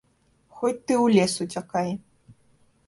Хоць ты ў лес уцякай.